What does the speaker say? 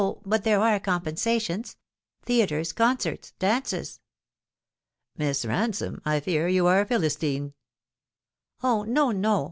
O, but there are compensations theatres, concerts, dances." " Miss Bansome, I fear you are a Philistine." " O, no, no !